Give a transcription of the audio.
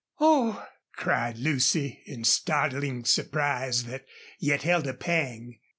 "Oh!" cried Lucy, in startling surprise that yet held a pang.